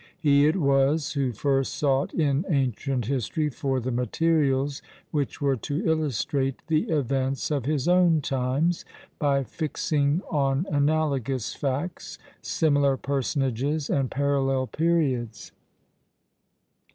He it was who first sought in ancient history for the materials which were to illustrate the events of his own times, by fixing on analogous facts, similar personages, and parallel periods.